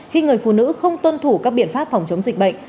khi người phụ nữ không tuân thủ các biện pháp phòng chống dịch bệnh